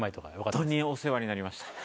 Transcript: ホントにお世話になりました。